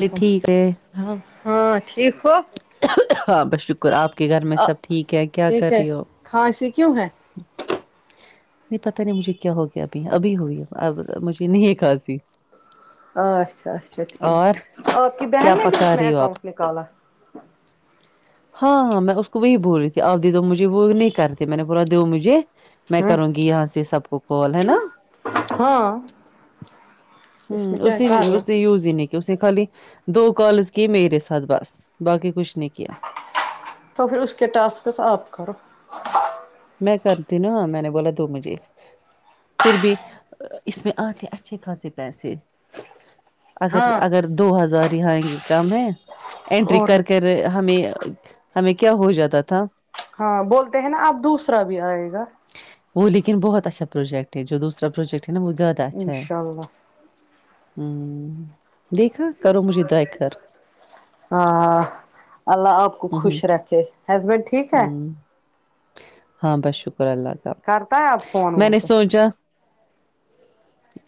چلے ٹھیک ہے ہ ہاں ٹھیک ہو ہاں بس شکر آپ کے گھر میں سب ٹھیک ہے کیا کر ٹھیک ہے رہی ہو کھانسی کیوں [inaudible] نہیں پتا نہیں مجھے کیا ہو گیا ابھی ابھی ہوئی ہے اب مجھے نہیں کھانسی اچھا اچھا اور ٹھیک آپ کی بہن کیا نے اس پکا میں رہی ہو آپ اکاؤنٹ نکالا ہاں ہاں میں اس کو وہی بول رہی تھی آپ دے دو مجھے وہ نہیں کرتی میں نے بولا دو مجھے میں ہاں کروں گی یہاں سے سب کو کال ہے نا ہاں ہوں اس میں کیا اسی کرنا اسی یز ہی نہیں کی اس نے خالی دو کالز کی میرے ساتھ بس باقی کچھ نہیں کیا تو پھر اس کے ٹاسکس آپ کرو میں کرتی نا میں نے بولا دو مجھے پھر بھی اس میں آتے اچھے خاصے پیسے اگر ہاں اگر دو ہزار رہیں گی کم ہے اینٹری اور کر کے ہمیں ہمیں کیا ہو جاتا تھا ہاں بولتے ہیں نا آپ دوسرا بھی آئے گا وہ لیکن بہت اچھا پروجیکٹ ہے جو دوسرا پروجیکٹ ہے نا وہ زیادہ اچھا ہے انشاء اللہ ھمم دیکھا کرو مجھے دیکھکر ہاں اللہ آپ کو ہ ہ خوش رکھے ہسبینڈ ٹھیک ہے ہ ہاں بس شکر اللہ کرتا ہے آپ تعالی فون میں وون نے کو سونچا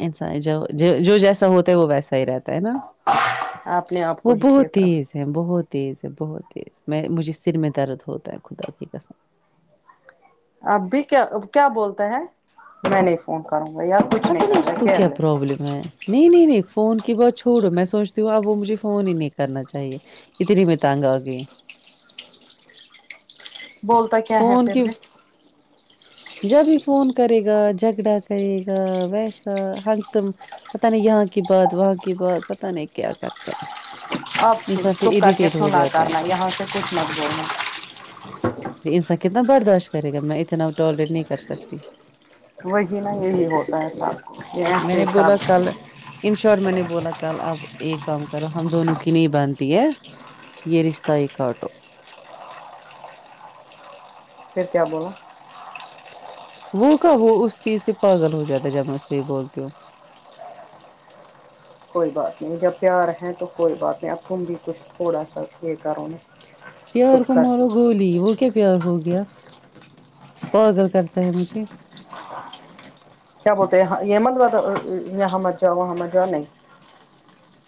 انسان جو جیسا ہوتا ہے وہ ویسا ہی رہتا ہے نا آپ نے آپ کو وہ ہی بہت ٹھیک رکھا تیز ہے بہت تیز ہے بہت تیز میں مجھے سر میں درد ہوتا ہے خدا کی قسم اب بھی کیا کیا بولتا ہے میں نہیں فون کروں گ یار کچھ پتہ نہیں کرتا اس کو کیا کیئر لیس پرابلم ہے نہیں نہیں نہیں فون کی بہت چھوڑو میں سوچتی ہوں اب وہ مجھے فون ہی نہیں کرنا چاہیے ادھر ہی میں تنگ آگئی بولتا کیا ہے فون پھر کی بھی جب بھی فون کرے گا جھگڑا کرے گا ویسا ہر دم پتا نہیں یہاں کی بات وہاں کی بات پتا نہیں کیا کرتا ہے آپ انسان پھر چپ کر کے اریٹیٹ ہو سنا جاتا ہے کرنا یہاں سے کچھ مت بولنا انسان کتنا برداشت کرے گا میں اتنا ٹالریٹ نہیں کر سکتی وہی نا یہی ہوتا ہے سب یہ ایسے ہی سب انشور میں نے بولا کل آپ ایک کام کرو ہم دونوں کی نہیں بانتی ہے یہ رشتہ ہی کاٹو پھر کیا بولا وہ کا وہ اس چیز سے پاگل ہو جاتا ہے جب میں اس کو یہ بولتی ہوں کوئی بات نہیں جب پیار ہیں تو کوئی بات نہیں اب تم بھی کچھ تھوڑا سا یہ کرو میں پیار کو مارو گولی وہ کیا پیار ہو گیا پاگل کرتا ہے مجھے کیا بولتے ہاں یہ مت یہاں مت جاؤ وہاں مت جاؤ نہیں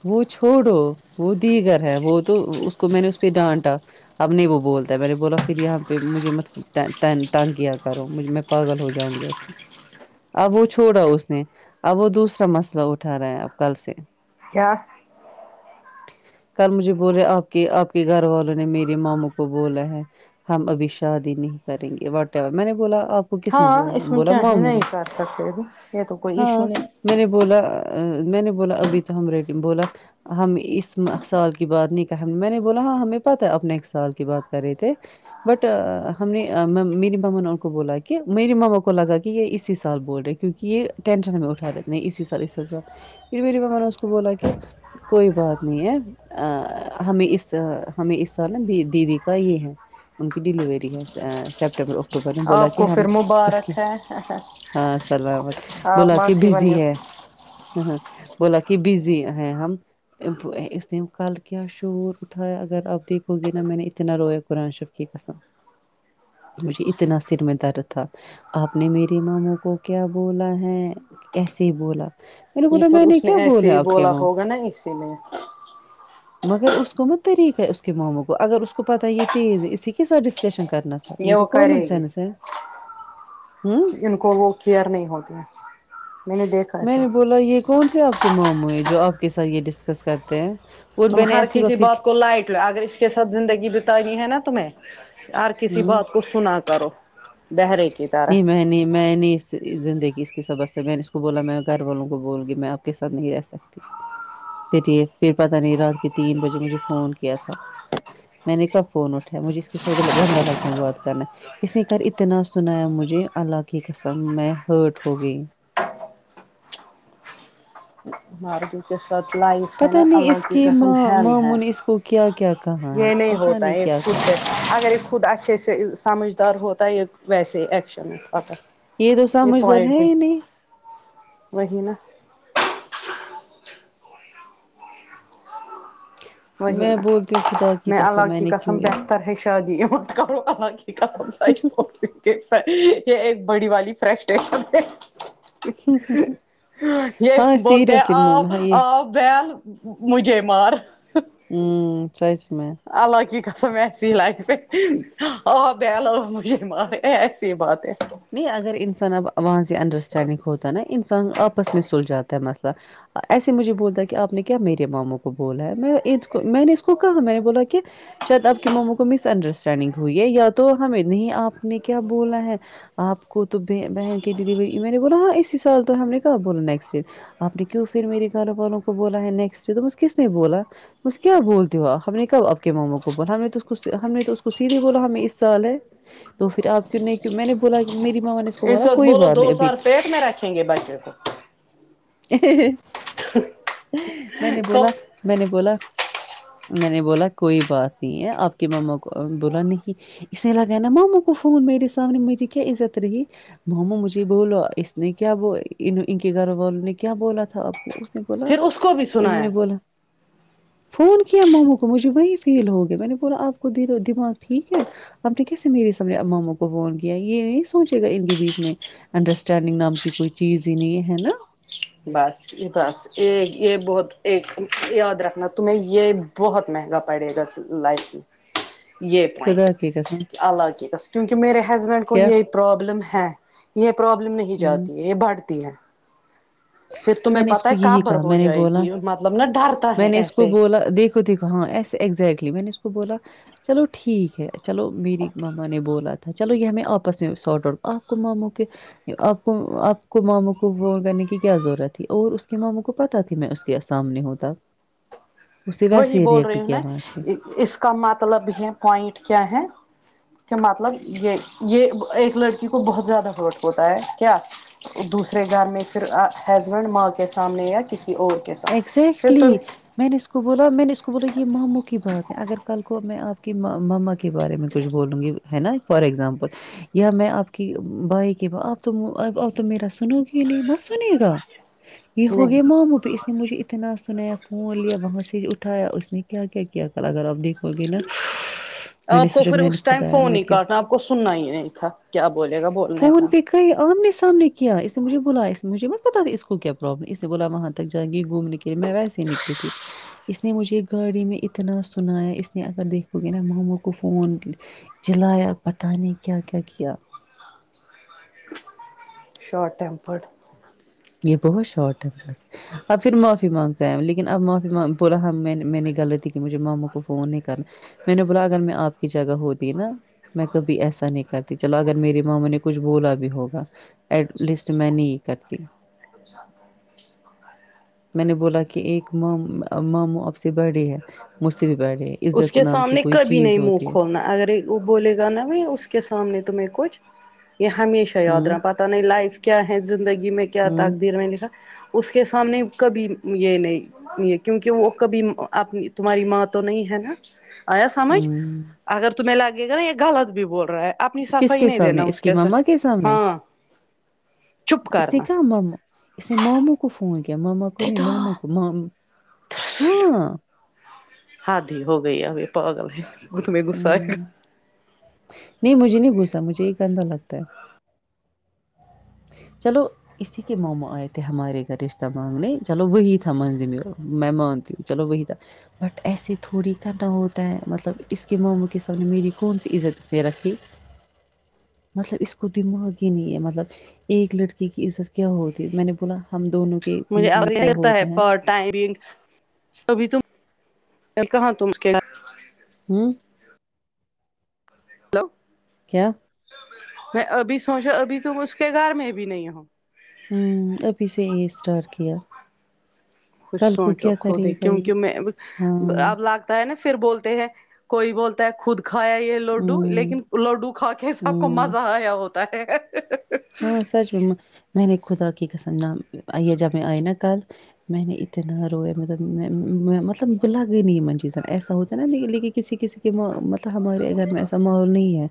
وہ چھوڑو وہ دیگر ہے وہ تو اس کو میں نے اس پہ ڈانٹا اب نہیں وہ بولتا ہے میں نے بولا پھر یہاں پہ مجھے مت تنگ تنگ کیا کرو مجھے میں پاگل ہو جاؤں گی ایسے اب وہ چھوڑا اس نے اب وہ دوسرا مسئلہ اٹھا رہا ہے اب کل سے کیا کل مجھے بولے آپ کے آپ کے گھر والوں نے میرے مامو کو بولا ہے ہم ابھی شادی نہیں کریں گے واٹ ایور میں نے بولا آپ کو کس نے ہاں بولا اس میں بولا کیا ہے ماموں نہیں نے کر سکتے بھی یہ تو کوئی ہاں ایشو نہیں میں نے بولا میں نے بولا ابھی تو ہم ریڈی بولا ہم اس سال کی بات نہیں کر میں نے بولا ہاں ہمیں پتا ہے آپ نیکسٹ سال کی بات کر رہے تھے بٹ ہم نے میری مما نے ان کو بولا کہ میری مما کو لگا کہ یہ اسی سال بول رہے کیونکہ یہ ٹینشن ہمیں اٹھا دیتے نہیں اسی سال اس س سال پھر میری مماں نے اس کو بولا کہ کوئی بات نہیں ہے ا ہمیں اس ہمیں اس سال نہ دیدی کا یہ ہے ان کی ڈیلیوری ہے سپٹمبر اکٹوبر میں بولا آپ کہ کو ہم پھر اس کے مبارک ہے ہاں سلام آپ بولا کہ ماسی بنو بزی ہے ہ بولا کہ بز جی ہے ہم اس نے کل کیا شعور اٹھایا اگر آپ دیکھو گے نا میں نے اتنا رویا قرآن شریف کی قسم ج مجھے اتنا سر میں درد تھا آپ نے میرے مامو کو کیا بولا ہے ایسے بولا میں نے یہ بولا پھر میں نے اس کیا ایسے بولے ہی اب بولا ہوگا نا اسی میں مگر اس کو مت طریقہ ہے اس کے ماموں کو اگر اس کو پتہ یہ تیز ہے اسی کے ساتھ ڈسکشن کرنا یہ وہ تو کرے کومن گی سینس ہے ہ ان کو وہ کیئر نہیں ہوتی ہیں میں نے دیکھا ہے میں سب نے بولا یہ کون سے آپ کے ماموں ہیں جو آپ کے ساتھ یہ ڈسکس کرتے ہیں اور تم میں نے ہر ایسی بار کسی پھر بات کو لائٹ اگر اس کے ساتھ زندگی بتانی ہے نا تمہیں ہر کسی ہوں بات کو سنا کرو بہرے کی طرح نہیں میں نہیں میں نہیں زندگی اس کی سبس ہے میں نے اس کو بولا میں گھر والوں کو بول گی میں آپ کےسات نہیں رہ سکتی پھر یہ پھر پتا نہیں رات کے تین بجے مجھے فون کیا تھا میں نے کب فون اٹھا ہے مجھے اس کے سات گندا لگتا بات کرنا اسنے کل اتنا سنایا مجھے اللہ کی قسم میں ہرٹ ہو گئی مارج [unintelligible] کے ساتھ لائف ہے نا پتہ نہیں اس اللہ کی قسم ماں ہیل ہے ماموں نے اس کو کیا کیا کہا ہے یہ نہیں پتہ ہوتا ایک کیا خود کہا اگر خود اچھےسے [unintelligible] سمجھدار ہوتا ہے ایک ویسے ایکشن پ تو یہ سمجھدار پوائنٹ ہے پہ ہی نہیں وہی نا ہ وہی میں نا بولتی خود میں اللہ کی قسم بہتر ہے شادی مت کرو اللہ کی قسم س یہ ایک بڑی والی فرسٹریشن ہے ہ ہ ہ یہ بولتے آؤ ہاں یہ آؤ بیل مجھے مار ہوں سچ میں اللہ کی قسم ایسی لگرہی آ بیل آ مجھے مار یہ ایسی بات ہے نہیں اگر انسان اب وہاں سے انڈرسٹینڈنگ ہوتا ہے نا انسان آپس میں سلجھا تا ہے مثلا ایسے مجھے بولتا کہ آپ نے کیا میرے ماموں کو بولا ہے میں کو میں نے اس کو کہا میں نے بولا کہ شاید آپ کے ماموں کو مس انڈرسٹینڈنگ ہوئی ہے یا تو ہمیں نہیں آپ نے کیا بولا ہے آپ کو تو بہن کی ڈیلیوری میں نے بولا ہاں اسی سال تو ہم نے کہاں بولا نیکسٹ ائر آپ نے کیوں پھر میری گھر والوں کو بولا ہے نیکسٹ ایئر کس کس نے بولا اس کیا بولتے ہوا ہم نے کب آپ کے ماموں کو بولا ہم نے تو ہم نے تو اس کو سیدھے بولا ہمیں اس سال ہے تو پھر آپ کیوں نہیں کی میں نے بولا کہ میری ماما نے کو اس بولا وقت کوئی بولو بات دو نہیں سال پیٹ میں رکھیں گے بچے کو میں نے تو بولا پھر میں نے بولا میں نے بولا کوئی بات نہیں ہے آپ کی مما کو بولا نہیں اس نے لگایہ نا ماموں کو فون میرے سامنے میری کیا عزت رہگیی مامو مجھے بولا اس نے کیا وہ ان کے گھر والوں نے کیا بولا تھا اس نے بولا اس کو بھی انہو سنایا نے بولا فون کیا ماموں کو مجھے وہی فیل ہو گیا میں نے بولا آپ کو دل و دماغ ٹھیک ہے اب دیکہے کسی میری ماموں کو فون کیا یہ نہیں سوچے گا ان کے بیچ میں انڈرسٹینڈنگ نام کی کوئی چیز ہی نہیں ہے نا بس بس یہ یہ بہت ایک یاد رکھنا تمہیں یہ بہت مہنگا پڑے گا لائف کی یہ پوائنٹ خدا کی قسم اللہ کی کیونکہ میرے ہسبینڈ کو کیا یہ پرابلم ہے یہ پرابلم نہیں ہوں جاتی ہے یہ بڑھتی ہے پھر تمہیں میں نے اس پتہ کو ہے یہی کابر کہا ہو میں نے جائے بولا گی مطلب نا ڈرتا میں ہے نے اس کو ایسے بولا دیکھ دیکھو ہاں ایسے ایگزیکٹلی میں نے اس کو بولا چلو ٹھیک ہے چلو میری مما نے بولا تھا چلو یہ میں آپس میں ساٹ آؤٹ آپ کو ماموں کے آپ کو آپ کو ماموں کو وہ کرنے کی کیا ضرورت تھی اور اس کے ماموں کو پتا تھی میں اس کے سامنے ہوں ت اس سے بعد وہی یہ بول ریئیکٹ رہی ہوں کیا نا وہاں سے ہی اس کا مطلب ہے پوائنٹ کیا ہے کہ مطلب یہ یہ ایک لڑکی کو بہت زیادہ وہ ہوتا ہے کیا دوسرے گھر میں پھر ہسبینڈ ماں کے سامنے یا کسی اور کے ساتھ پھر ایکگزیکٹلی تم میں نے اس کو بولا میں نے اس کو بولا یہ ماموں کی بات ہے اگر کل کو میں آپ کے مما کے بارے میں کچھ بولوں گی ہے نا فور ایکگزامپل یا میں آپ کی بھائی کی آپ تو آپ تو میرا سنو گی ہی نہیں مت سنیےگا یہ نہیں ہوگی مومو پہ مجھے اتنا سنایا فون لیا وہاں سے اٹھایا اس نے کیا کیا کیا ک اگر آپ دیکھ ہو ابھی نہ آپ کو پھر اس ٹائم فون ہی کاٹنا آپ کو سننا ہی نہیں تھا کیا بولے گا بولنے کا کہ آمنے سامنے کیا اس نے مجھے بلا اس نے مجھے مت پت تھا اس کو کیا پرابلم اس نے بولا وہاں تک جاءینگیں گھومنے کے لیے میں ویسے ہی نکلی تھی اس نے مجھے گاڑی میں اتنا سنایا اس نے اگر دیکھو گے نا مما کو فون چلایا پتہ نہیں کیا کیا کیا شارٹ ٹیمپرڈ یہ بہت شارٹ ہے اب پھر معافی مانگتا ہیں لیکن اب معافی مگ بولا ہم میں نے میں نے غلطی کہ مجھے ماما کو فون نہیں کرنا میں نے بولا اگر میں آپ کی جگہ ہوتی نا میں کبھی ایسا نہیں کرتی چلو اگر میری مامو نے کچھ بولا بھی ہوگا ایٹ لیسٹ میں نہیں کرتی میں نے بولا کہ ایک ما ماموں آپ سے بڑی ہے مجھ سے بھی بڑھے اس کے سامنے کبھی نہیں منہ کھولنا اگر وہ بولے گا نا وہی اس کے سامنے تمہیں کچھ یہ ہمیشہ یاد ہوں رہا بات نہیں لائف کیا ہے زندگی میں کیا ہوں تقدیر میں لکھا اس کے سامنے کبھی یہ نہیں کیونکہ وہ کبھی اپنی تمہاری ماں تو نہیں ہے آیا سمجھ ہوں اگر تمہیں لگے گا نا یہ غلط بھی بول رہا ہے اپنی کس صفائی کے نہیں سامنے دینا اس کی ساتھ مما کے سامنے ہاں چپ اس کی کرنا کہ ما اس نے ماموں کو فون کیا ماما کو نہیں ماموں کو مام ہاں حد ہی ہو گئی ہے اب یہ پاگل ہےتم میں غصہ ہے ہ نہیں مجھے نہیں گھسا مجھے یہ گندا لگتا ہے چلو اسی کےمما آئے تھے ہمارے گھر رشتہ مانگنے چلو وہی تھا منزل میں مانتی ہوں چلو وہی تھا بٹ ایسے تھوڑی کا نہ ہوتا ہے مطلب اس کہ ماموں کے سامنے میری کون سی عزت دے رکھی مطلب اس کو دماغ ہی نہیں ہے مطلب ایک لڑکی کی عزت کیا ہوتی ہے میں نے بولا ہم دونوں کے بیچ میں کیا ہوتا ہے ٹیرنگ ابھی تم کہاں تم کیا ہوں ک تو کیا میں ابھی سوچا ابھی تم اس کے گھر میں بھی نہیں ہو ہ ابھی سے یہ اسٹارٹ کیا کچھ کل کو سوچو کیا خود کرے ہی گا یہ کیونکہ میں ہاں اب لگ ہے نا پھر بولتے ہیں کوئی بولتا ہے خود کھایا یہ لڈو ہوں لیکن لڈو کھا کے سب کو ہوں مزہ آیا ہوتا ہے ہاں سچ میں میں نے خدا کی قسم آن جب میں آئی نا کل میں نے اتنا رویا مطلب میں میں لگ چیز ایسا ہوتا نا لیکن کسی کسی کے مطلب ہمارے گھر میں ایسا ماحول نہیں ہے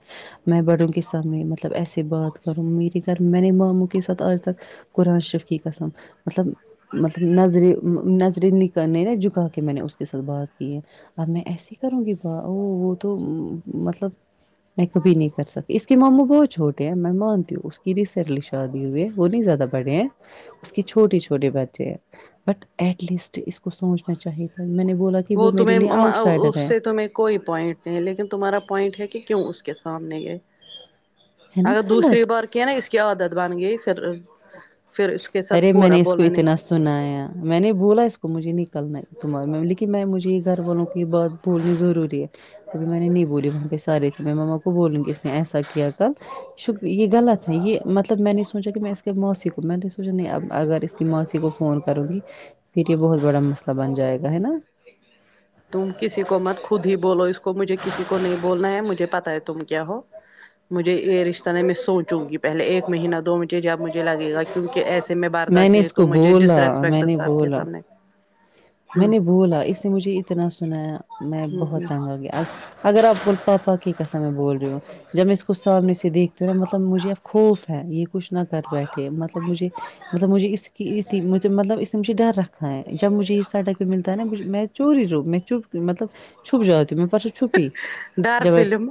میں بڑوں کے سامنے مطلب ایسے بات کروں گی میں نے ماموں کے ساتھ آج تک قرآن شریف کی قسم مطلب مطلب نظریں نظریں نکالنے نا جھکا کے میں نے اس کے ساتھ بات کی ہے اب میں ایسی کروں گی بات وہ وہ تو مطلب میں کبھی نہیں کر سکتی اس کے ماموں بہت چوٹے ہیں میں مانتی ہوں اس کو رسنٹلی شادی ہوئی ہے وہ نہیں زیادہ بڑے ہیں اس کے چھوٹے چھوٹے بچے ہیں بٹ ایٹ لیسٹ اس کو سوچنا چاہیے تھا میں نے بولا کہ وہ میرے تمھیں لیے م آؤٹ سائڈر اس ہے سے تمیں کوئی پوائنٹ نہیں ہے لیکن تمہارا پوائنٹ ہے کہ کیوں اس کے سامنے یہ ہے نا اگر دوسری غلط بار کیا نا اس کی عادت بن گئی پھر پھر اس کے ساتھ ارے میں پورا اس کو بولا نے اتنا سنایا میں نے بولا اس کو مجھے نکلنا ہےتمہار لیکن میں مجھے گھر والوں کی بات بولنی ضروری ہے ابھی میں نے نہیں بولی وہاں پہ سارے تھے میں مما کو بولوں گی اس نے ایسا کیا کل شکر یہ غلط ہے یہ مطلب میں نے نہیں سوچا کہ میں اس کے موسی کو میں سوچا نہیں اب اگر اس کی ماسی کو فون کروں گی پھر یہ بہت بڑا مسئلہ بن جائے گا ہے نا تم کسی کو مت خود ہی بولو اس کو مجھے کسی کو نہیں بولنا ہے مجھے پتا ہے تم کیا ہو مجھے یہ رشتہ نہیں میں سوچوں گی پہلے ایک مہینہ دو مجھے جب جھ لگے گا کیونکہ ایسے میں برداشت نے نہیں اس تو کو مجھے ڈس بولا میں رسپیکٹ نے سب کے بولا سامنے میں ہ نے بولا اس نے مجھے اتنا سنایا میں بہت ہ تنگ آ گیا اگر آپ بول پاپا کی قسم میں بول رہی ہو جب میں اس کو سامنے سے دیکھتی ہا مطلب مجھے اب خوف ہے یہ کچھ نہ کر بیٹھے مطلب مجھے مطلب مجھے اس اتی مچھ مطلب اس نے مجھے ڈر رکھا ہے جب مجھے ہیڈ ایک ہی ملتا ہے نا میں چور ہی رہو مطلب چھپ جاتی ہو میں پرسو چھپی ڈر جب میں فلم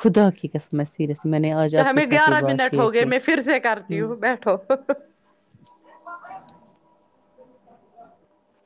خدا کی قسم میں سیریس میں نے آج کیا آپ کے ہمیں ساتھ یہ گیارہ بات منٹ شیئر ہو گئے کی میں پھر سے کرتی ہ ہوں بیٹھو